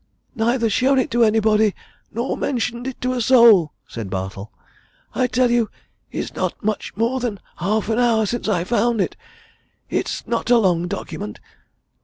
"Neither shown it to anybody, nor mentioned it to a soul," said Bartle. "I tell you it's not much more than half an hour since I found it. It's not a long document.